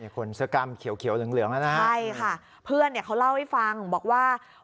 คนเสื้อกล้ามเขียวเหลืองนะฮะใช่ค่ะเพื่อนเนี่ยเขาเล่าให้ฟังบอกว่า